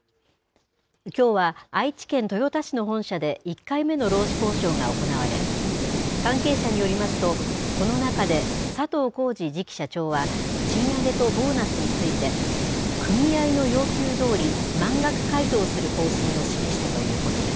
きょうは、愛知県豊田市の本社で、１回目の労使交渉が行われ、関係者によりますと、この中で、佐藤恒治次期社長は、賃上げとボーナスについて、組合の要求どおり、満額回答する方針を示したということです。